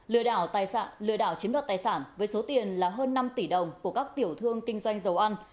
lừa đảo chiếm đoạt tài sản với số tiền là hơn năm tỷ đồng của các tiểu thương kinh doanh dầu ăn